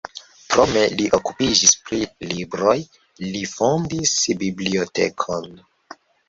Krome li okupiĝis pri libroj, li fondis bibliotekon.